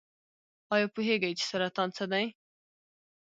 ایا پوهیږئ چې سرطان څه دی؟